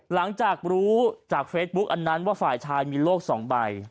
หลังจากรู้จากเฟซบุ๊กอันนั้นว่าฝ่ายชายมีโลก๒ใบ